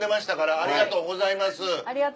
ありがとうございます。